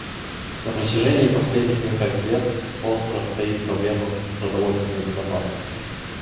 На протяжении последних нескольких лет остро стоит проблема продовольственной безопасности.